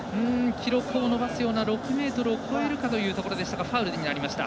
記録を伸ばすような６ｍを超えるかというところでしたがファウルになりました。